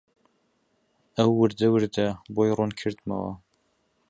ئەو وردوردە بۆی ڕوون کردمەوە